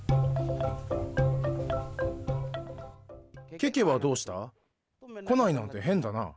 ケケはどうした？来ないなんてへんだな。